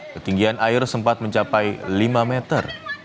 ketinggian air sempat mencapai lima meter